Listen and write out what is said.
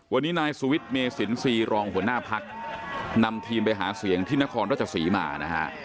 วันนี้นายสุวิทย์เมสินทรีย์รองหัวหน้าพักนำทีมไปหาเสียงที่นครราชศรีมานะฮะ